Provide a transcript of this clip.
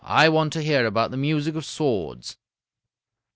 I want to hear about the music of swords."